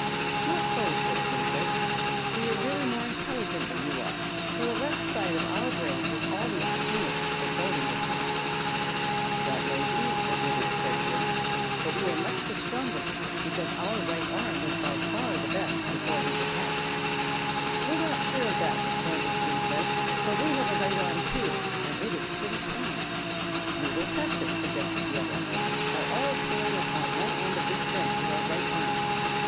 "Not so," said Jimfred; "we are really more intelligent than you are, for the left side of our brain was always the keenest before we were patched." "That may be," admitted Fredjim, "but we are much the strongest, because our right arm was by far the best before we were patched." "We are not sure of that," responded Jimfred, "for we have a right arm, too, and it is pretty strong." "We will test it," suggested the other, "by all pulling upon one end of this bench with our right arms.